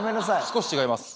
少し違います。